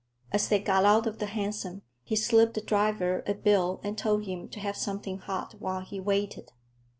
As they got out of the hansom, he slipped the driver a bill and told him to have something hot while he waited.